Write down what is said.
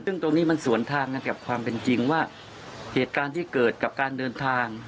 ซึ่งตรงนี้มันสวนทางกันกับความเป็นจริงว่าเหตุการณ์ที่เกิดกับการเดินทาง